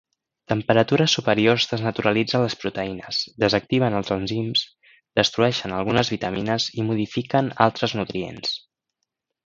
Temperatures superiors desnaturalitzen les proteïnes, desactiven els enzims, destrueixen algunes vitamines i modifiquen altres nutrients.